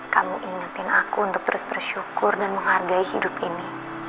kamu ingetin aku untuk terus bersyukur dan menghargai hidup ini